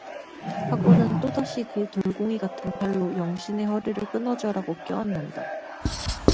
하고는 또다시 그 돌공이 같은 팔로 영신의 허리를 끊어져라고 껴안는다.